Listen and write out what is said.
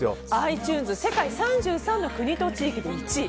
世界３３の国と地域で１位。